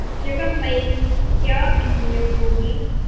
یکم مئی کی کیا اہمیت ہوگی